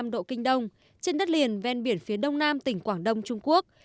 một trăm một mươi bảy năm độ kinh đông trên đất liền ven biển phía đông nam tỉnh quảng đông trung quốc